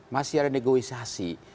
masih ada negosiasi